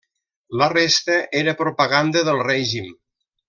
La resta era propaganda del règim.